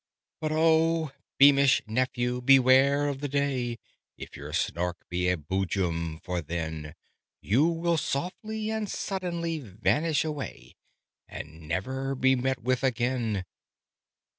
"'But oh, beamish nephew, beware of the day, If your Snark be a Boojum! For then You will softly and suddenly vanish away, And never be met with again!